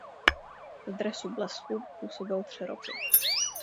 V dresu „Blesků“ působil tři roky.